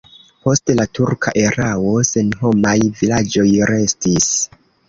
Post la turka erao senhomaj vilaĝoj restis.